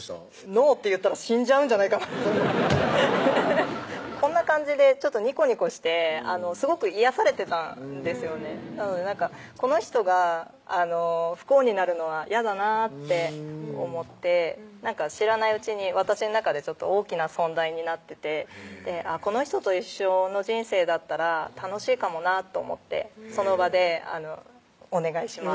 「ノー」って言ったら死んじゃうんじゃないかなとこんな感じでにこにこしてすごく癒やされてたんですよねなのでこの人が不幸になるのはやだなって思って知らないうちに私の中で大きな存在になっててこの人と一緒の人生だったら楽しいかもなと思ってその場で「お願いします」